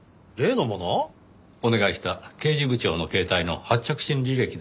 お願いした刑事部長の携帯の発着信履歴ですよ。